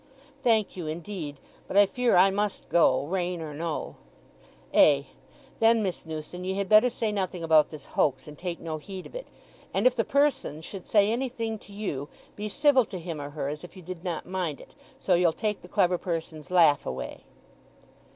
"Thank you, indeed. But I fear I must go—rain or no." "Ay! Then, Miss Newson, ye had better say nothing about this hoax, and take no heed of it. And if the person should say anything to you, be civil to him or her, as if you did not mind it—so you'll take the clever person's laugh away."